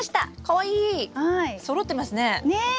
かわいい！そろってますね！ね！